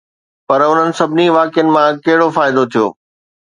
پر انهن سڀني واقعن مان ڪهڙو فائدو ٿيو؟